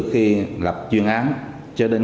khi lập chuyên án cho đến